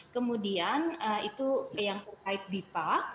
kemudian itu yang terkait bipa